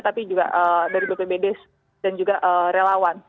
tapi juga dari bpbd dan juga relawan